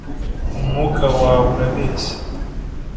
umwuka wawe urabeshya.